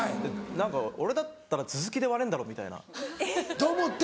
何か俺だったら頭突きで割れんだろみたいな。と思って？